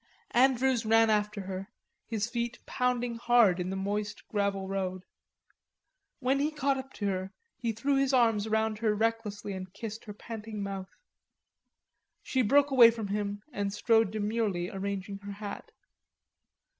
Andrews ran after her, his feet pounding hard in the moist gravel road. When he caught up to her he threw his arms round her recklessly and kissed her panting mouth. She broke away from him and strode demurely arranging her hat.